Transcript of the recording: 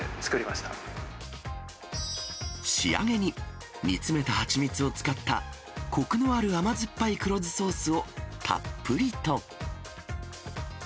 ま仕上げに、煮詰めた蜂蜜を使った、こくのある甘酸っぱい黒酢ソースをたっぷりと。